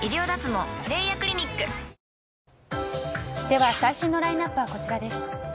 では最新のラインアップはこちらです。